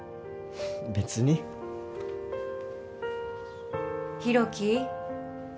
別に広樹